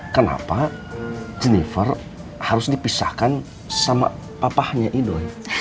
kenapa jennifer harus dipisahkan sama papahnya idoy